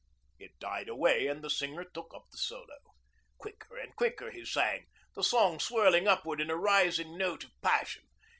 It died away and the singer took up the solo. Quicker and quicker he sang, the song swirling upward in a rising note of passion.